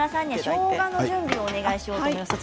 しょうがの準備をお願いしようと思います。